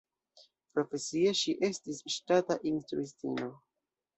Profesie, ŝi estis ŝtata instruistino.